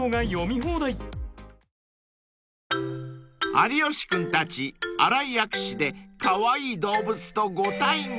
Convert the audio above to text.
［有吉君たち新井薬師でカワイイ動物とご対面］